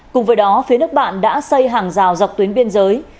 cùng với đó phía nước bạn đã xây hàng rào dọc tuyến biên giới